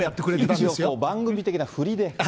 一応番組的な振りで。